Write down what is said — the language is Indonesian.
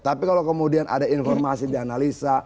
tapi kalau kemudian ada informasi dianalisa